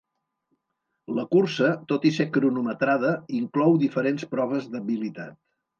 La cursa, tot i ser cronometrada, inclou diferents proves d'habilitat.